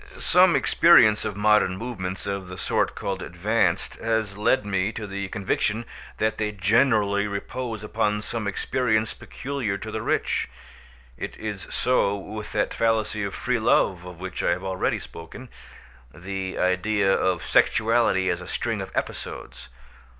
Some experience of modern movements of the sort called "advanced" has led me to the conviction that they generally repose upon some experience peculiar to the rich. It is so with that fallacy of free love of which I have already spoken; the idea of sexuality as a string of episodes.